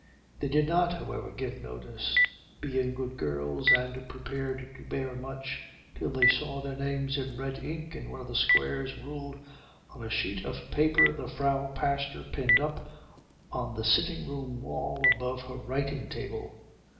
They did not, however, give notice, being good girls and prepared to bear much, till they saw their names in red ink in one of the squares ruled on a sheet of paper the Frau Pastor pinned up on the sitting room wall above her writing table.